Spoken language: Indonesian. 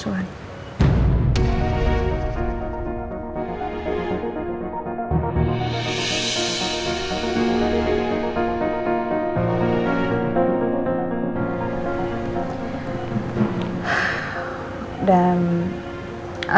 cuman aku lagi hubungi mata